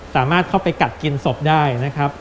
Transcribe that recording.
สามารถเข้าไปกัดกินศพได้นะครับ